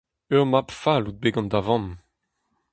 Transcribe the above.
Ur mab fall out bet gant da vamm !